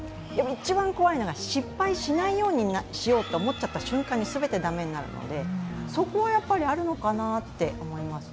一番怖いのが失敗しないようにしようって思っちゃった瞬間に全て駄目になるので、そこはあるのかなと思います。